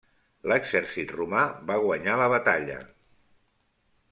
L'exèrcit romà va guanyar la batalla.